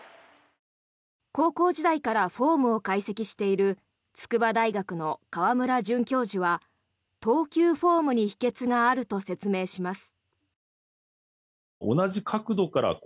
高校時代からフォームを解析している筑波大学の川村准教授は投球フォームに秘けつがあると説明します。